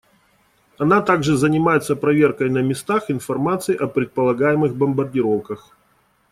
Она также занимается проверкой на местах информации о предполагаемых бомбардировках.